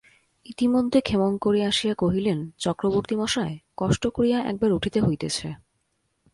ইতিমধ্যে ক্ষেমংকরী আসিয়া কহিলেন, চক্রবর্তীমশায়, কষ্ট করিয়া একবার উঠিতে হইতেছে।